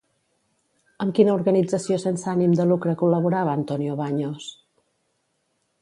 Amb quina organització sense ànim de lucre col·laborava Antonio Baños?